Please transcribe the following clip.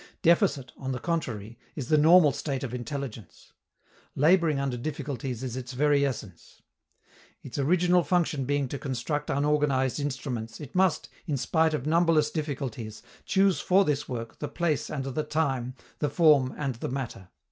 Deficit, on the contrary, is the normal state of intelligence. Laboring under difficulties is its very essence. Its original function being to construct unorganized instruments, it must, in spite of numberless difficulties, choose for this work the place and the time, the form and the matter.